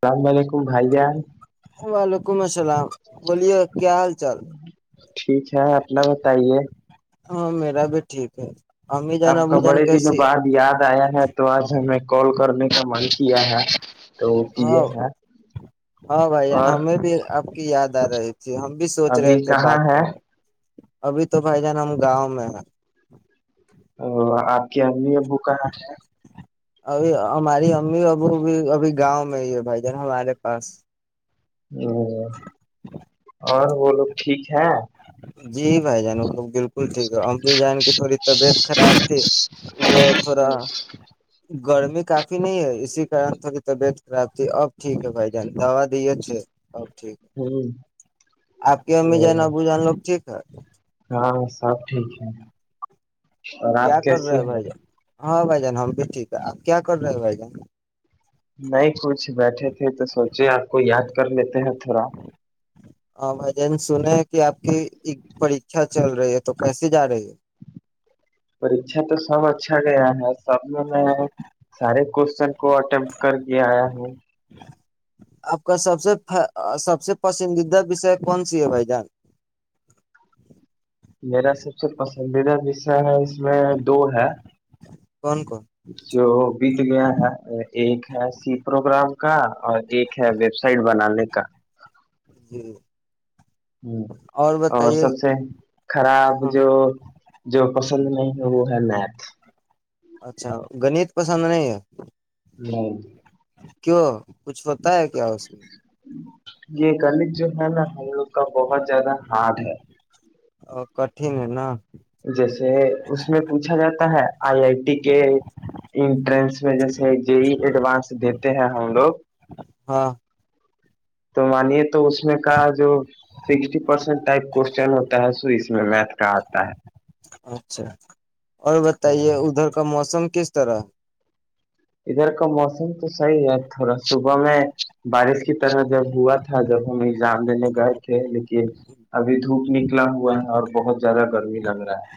سلام علیکم بھائی جان وعلیکم سلام بولیے کیا حال چال ٹھیک ہے اپنا بتائیے ہاں میرا بھی ٹھیک ہے امی جان آپ کا ابو جان بڑے دنوں کیسی بعد یاد آیا ہے تو آج ہمیں کال کرنے کا من کیا ہے تو ہاں کیے ہیں ہاں بائی جان ہم اور ہمیں بھی آپ کی یاد آ رہی تھی جی ہم بھی سوچ ابھی رہے تھے کہاں بات ہے کرنے ابھی تو بھائی جان ہم گاؤں میں ہیں ا آپ کیاھی یہ بک ہے ابھی ہماری امی ابو بھی ابھی گاؤں میں ہی ہے بھائی جان ہمارے پاس ہاں اور وہولو ٹھیک ہے جی بھائی جانب بالکل ٹھیک ہے ا بھی جان کی تھوڑی طبیعت خراب تھی وہ تھوڑا گرمی کافی نہیں ہے اسی کن تھوڑی طبیعت خراب اب ٹھیک ہے بھائی جان دوا دی اچھے اب ٹھیک ہے آپ کی امی ج نا بو جان لوگ ٹھیک ہے ب ٹھیک ہے اور آپ کیا کر کیسے رہے ہیں بھائی جان ہاں بھائی جان ہم بھی ٹھیک ہے آپ کیا کر رہے ہو بھائی جان نہیں کچھ بیٹھے تھے تو سوچے آپ کو یاد کر لیتے ہیں تھوڑا ہاں بھائی جین سنے ہیں کہ آپ کی ایک پریھا چل رہی ہے تو کیسے جا رہی ہے پریچا تو سب اچھا گیا ہے سب میں میں سارے کوشچن کو اٹمپٹ کر کے آیا ہوں آپ کا سب سے سب سے پسندیدہ وشے کون سی ہے بھائی جان میرا سب سے پسندیدہ جصہ ہے میں دو ہے کون کون جو بیت گیا ہے ایک ہے سی پروگرام کا اور ایک ہے ویب سائٹ بنانے کا جی اور سب سے خراب ہاں جو جو پسند نہیں اور وہ ہے میتھ اچھا گنیت پسند نہیں ہے نہیں کیوں کچھ پتا ہے کیا اس میں یہ گلت جو ہے نا ہم لوگ کا بہت زیادہ ہارڈ ہے ا کٹھن ہے نا جیسے اس میں پوچھا جاتا ہے آئی آئی ٹی کے انٹرنس میں جیسے یہ ایڈوانس دیتے ہیں ہم لوگ ہاں تو مانیے تو اس میں کا جو سکسٹی پرسینٹ ٹائپ کوشن ہوتا ہے سو اس میں میتھ کا آتا ہے اچھا اور بتائیے ادھر کا موسم کس طرح ادھر کا موسم تو صحیح ہے تھوڑا صبح میں بارش کی طرح جب ہوا تھا جب ہم ایگزام لینے گئے تھے لیکن ابھی دھوپ نک پکھلا ہوا ہے اور بہت زیادہ گرمیی لگ رہا ہے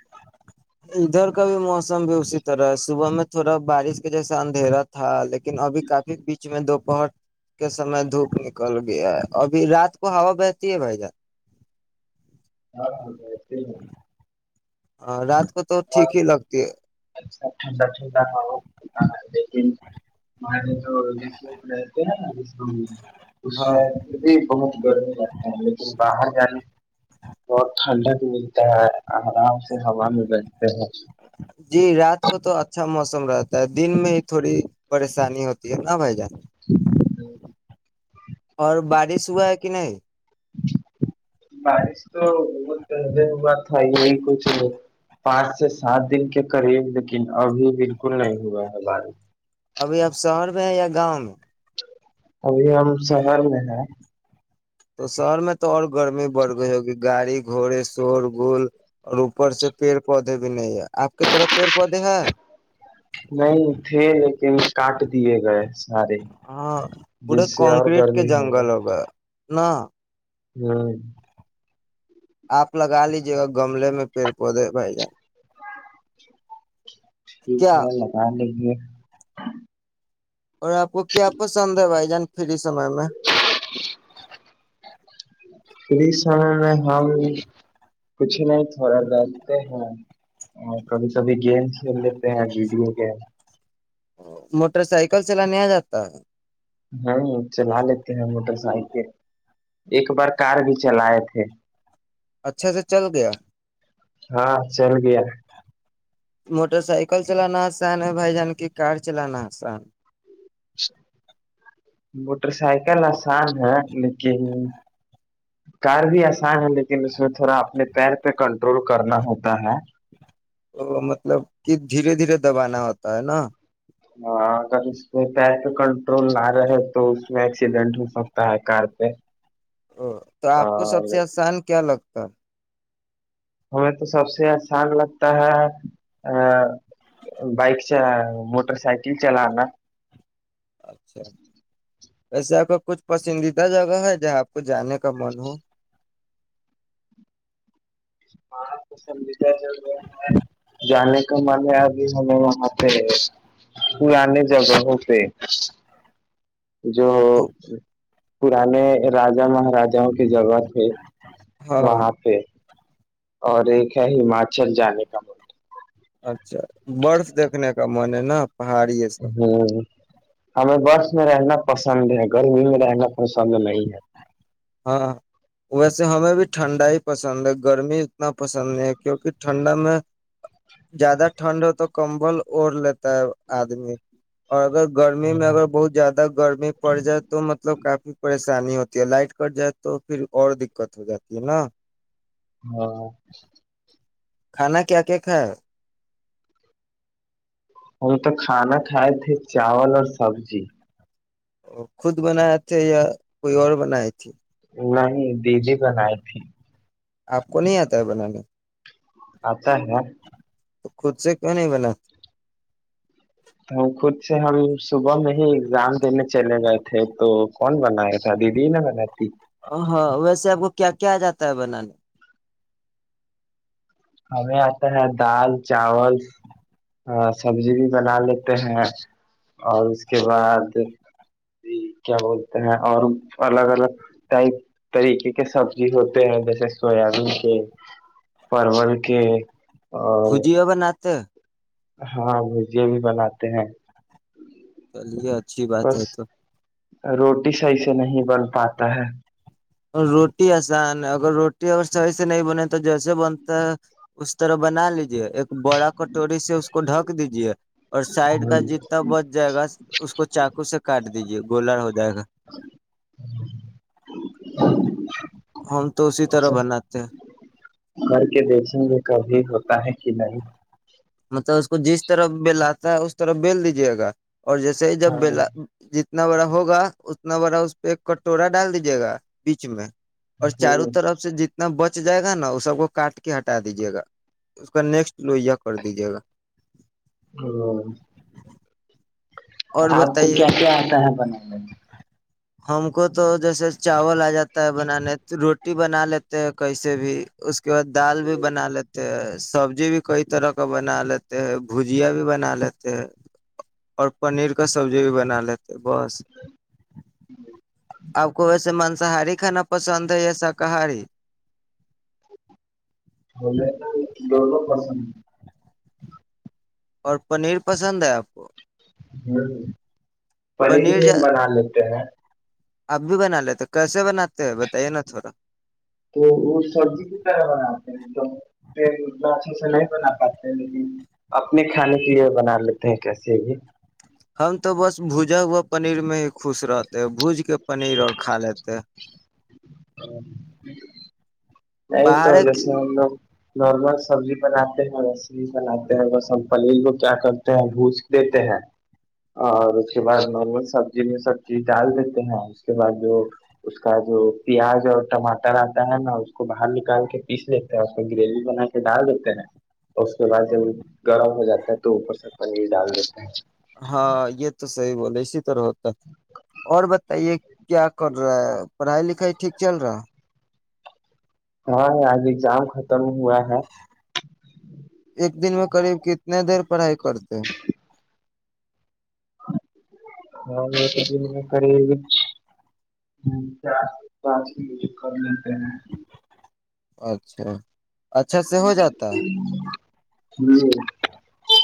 ادھر کا بھی موسم بھی اسی طرح ہے صبح میں تھوڑا بارش کے جیسا اندھیرا تھا لیکن ابھی کافی بیچ میں دو بہت کے سمے دھوپ نکل گیا ابھی رات کو ہوا بہتی ہے بھائی جان ہاں ہاں متے ہی ہیں ہاں رات کو تو ٹھیک ہی لگتی ہے اچا ٹھنڈا ٹھنڈاتا ہے لیکنے تو ل رہتے ہیں نا اس ہاں میں پھر بھی بہت گرمی رہگتا ہے لیکن باہر جانے بہت ٹھنڈک ملتا ہے آرام سے ہوا میں بچتے ہے جی رات کو تو اچھا مس موسم رہتا ہے دن میں تھوڑی پریشانی ہوتی ہے نہ بھائی جان اور بارش ہوا ہے کہ نہیں بارش تو بت پے ہوا تھا یہی کچھ پانچ سے سات دن کے قریب لیکن ابھی بالکل نہیں ہوا ہے بارش ابھی اب شہر میں ہے یا گاؤں میں ابھی ہم شہر میں ہیں تو شہر میں تو اور گرمی بڑھ گئی ہوگی گاڑی گھوڑے شور گول اور اوپر سے پیڑ پودے بھی نہیں ہے آپ کی طرف پیڑ پودے ہے نہیں تھے لیکن کاٹ دیے گئے سارے ہاں پورے جس سے اور کنکریٹ کے گرمی ہوگا جنگل نہ ہاں آپ لگا لیجیے گا گملے میں پیڑ پودے بھائی جان ٹھیک کیا ہے لگا لیں جی اور آپ کو کیا پسند ہے بھائی جان پھر میں میں پ اس سمے میں ہم کچھ نہیں تھوڑا بیھتے ہیں اور کبھی کبھی گیم کھیل لیتے ہیں ویڈیو کے موٹر سائیکل چل نہیں آ جاتا ہاں چلا لیتے ہیں موٹر سائیکل ایک بار کار بھی چلائے تھے اچھے سے چل گیا ہاں چل گیا موٹر سائیکل چلانا آسان ہے بھائی جان کی کار چلانا آسان موٹر سائیکل آسان ہے لیکن کار بھی آسان ہے لیکن اس میں تھوڑا اپنے پیر پہ کنٹرول کرنا ہوتا ہے تو مطلب کہ دھیرے دھیرے دبانا ہوتا ہے نا ہاں اگر اس میں پیر پہ کنٹرول نہ رہے تو اس میں ایکسیڈنٹ ہو سکتا ہے کار پہ ا تو آپ کو سب اور سے آسان کیا لگتا ہاں ہمیں تو سب سے آسان لگتا ہے بائک سے موٹر سائیکل چلانا اچھا ایسے آپ کا کچھ پسندیدہ جگہ ہے جہاں آپ کو جانے کا من ہو ب پسندیدہ جگہ ہے جانے کا من ابھی ہمیں وہاں پہ پرانے جگہوں پہ جو پرانے راجا مہاراجاوں کے جگہ ہاں وہاں پہ اور ایک ہے ہماچل جانے کا ملڈ اچھا اچا برف دیکھنے کا میں نے نہ پہاڑی ہے سب ہ ہمیں بس میں رہنا پسند ہے گرمی میں رہن گا کوئی سمنے نہیں ہے ج ہاں ویسے ہمیں بھی ٹھنڈا ہی پسند ہے گرمی اتنا پسند نہیں ہے کیونکہ ٹھنڈا میں زیادہ ٹھنڈ ہو تو کمبل اوڑ لیتا آدمی اور اگر گرمی ہے میں اگر بہت زیادہ گرمی پڑ جائے تو مطلب کافی پریشانی پانی ہوتی ہے لائٹ کٹ جائے تو پھر اور دقت ہو جاتی ہے نا ہاں کھانا کیا کیا کھایا ہم تو کھانا کھائے تھے چاول اور سبزی اور خود بناائے تھے یا کوئی اور بنائے تھے نہیں د جی بنائی تھی آپ کو نہیں آتا ہے بنانے آتا ہے تو خود سے کیوں نہیں بلا تو ہم خود سے ہم صبح میں ہی ایگزام دینے چلے گئے تھے تو کون بنایا تھا دیدی نے بن ت ہاں ویسے آپ کو کیا کیا جاتا ہے بنانے ہمیں آتا ہے دال چاول سبزی بھی بنا لیتے ہیں اور اس کے بعد کیا بولتے ہیں اور الگ الگ ٹائپ طریقے کے سبزی ہوتے ہیں جیسے سویابین کے پرول کہ بھجیو بناتے ہاں بھجے بھی بناتے ہیں چلیےھا بس روٹی صحیح سے نہیں بن پاتا ہے روٹی آسان ہے اگر روٹی اگر صحیح سے نہیں بنے تو جیسے بنتا ہے اس طرح بنا لیجیے ایک بڑا کٹوری سے اس کو ڈھک دیجیے اور سائڈ ہ کا جتنا بچ جائے گا اس کو چاقو سے کاٹ دیجیے گولر ہو جائے گا ہم تو اسی طرح اچا بناتے ہیں کر کے دیکھیں گے کبھی ہوتا ہے کہ نہیں مطلب اس کو جس طرح بلاات س اس طرف بیل دیجیے گا اور جیسے ہی جب ہاں بلا ج اتنا بڑا ہوگا اتنا بڑا اس پہ ایک کٹورا ڈال دیجیے گا بیچ میں اور چاروں طرف سے جت انا بچ جائے گا نا وہ سب کو کاٹ کے ہٹا دیجے گا اس کا نیکسٹ لو یہ کر دیجیے گا ہاں اور آپ کو بتائیے کیا کیا آتا ہے بنانا ہم کو تو جیسے چاول آ جاتا ہے بنانے روٹی رٹی بنا لیتے ہیں کہ سے بھی اس کے ب دال بھی بنا لیتے ہیں سبزی بھی کئی طرح کا بنا لیتے ہیں بھجیا بھی بنا لیتے ہیں اور پنیر کا سبزی بھی بنا لیتے بس آپ کو ویسے مانساہاری کھانا پسند ہے یا شاکاہاری بولے دونوں پسند اور پنیر پسند ہے آپ کو ہاں پنیر بھی بنا لیتے ہیں آپ بھی بنا لیتے کیسے بناتے ہیں بتائیے نا تھوڑا تو وہ سبزی کی طرح بناتے ہیں تو پنا اچھے سے نہیں بنا پاتے ہیں لیکن اپنے کھانے کے لیے بنا لیتے ہیں کیسے بھی ہم تو بس بوجا و پنیر میں ہی خوش رہتے بوج کے پنیر اور کھا لیتے نہیں تو باہر ایک جیسے ہم لوگ نارمل سبزی بناتے ہیں رسمی بناتے ہیں وہسم پنیر کو کیا کرتے ہیں بھس دیتے ہیں اور اس کے بعد نارمل سبزی میں سب چیز ڈال دیتے ہیں اس کے بعد جو اس کا جو پیاز اور ٹماٹر آتا ہے نا اس کو باہر نکال کے پیس لیتے ہے اس میں گریوی بنا کے ڈال دیتے ہیں نا اور اس کے بعد جب گرم ہو جاتا ہے تو اوپر سے پنیر ڈال دیتے ہیں ہاں یہ تو سحی بولے ہوتا اور بتائیے کیا کر رہا ہے پڑھائی لکھائی ٹھیک چل رہا ہاں آج ایگزام ختم ہوا ہے ایک دن میں قریب کتنے دیر پڑھائی کرتے [inaudible] اچھا اچھا سے ہو جاتا ہے ہوں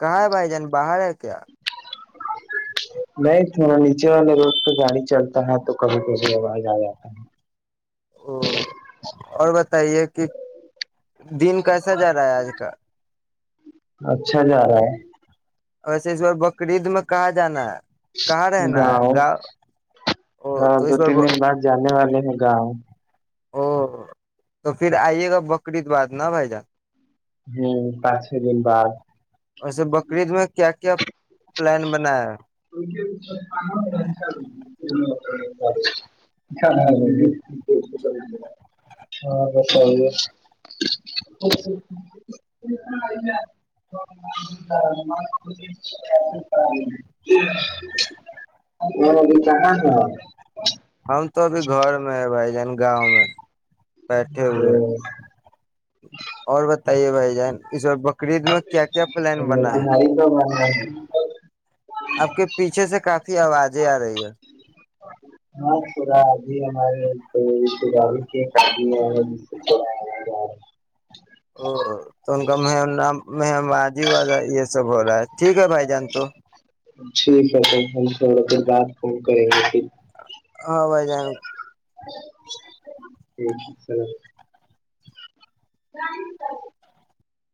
کہاں ہے بھائی جان باہر ہے کیا نہیں تھوڑا نیچے والے روڈ پہ گاڑی چلتا ہے تو کبھی کبھی آواز آ جاتا ہے او اور بتائیے کہ دن کیسا جا رہا ہے آج کا اچھا جا رہا ہے ویسے اس بار بقرعید میں کہاں جانا ہے کہاں رہنا ہے گاؤں او ہاں تو دو اس بار تین ب... دن بعد جانے والے ہیں گوں او تو پھر آئیے گا بکرعید باد نا بھائی جان ہوں پانچ چھ دن بعد ویسے بقرعید میں کیا کیا پلان بنایا [inaudible] [inaudible] ہم تو ابھی گھر میں ہے بھائی جان گاؤں میں بیٹھے ہوئے اور بت تءی بھائی جان اس و بقرریید میں کیا کیا پلان بنا ہے تمہاری تو [inaudible] آپ کے پیچھے سے کہ اھی آوازیں آ رہی ہے ہاں پا ابھی ہمارےی ہے ا تو ان کا محم نام مم آج جی وازہ یہ سب ہو رہا ہے ٹھیک ہے بھائی جان تو ٹھیک ہے تو ہم تھوڑا دیر بعد فون کریں گے پھر ہاں بھائی جان ٹک چل [unintelligible]